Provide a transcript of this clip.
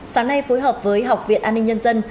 sáng nay phối hợp với học viện an ninh nhân dân